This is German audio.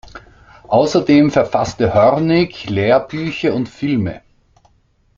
Außerdem verfasste Hornig Lehrbücher und -filme.